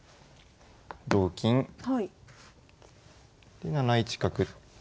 で７一角。